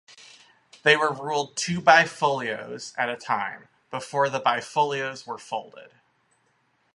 They were ruled two bifolios at a time, before the bifolios were folded.